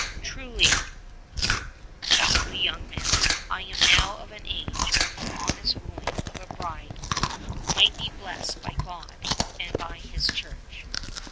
Truly, thought the young man, I am now of an age when the honest wooing of a bride might be blessed by God and by His Church.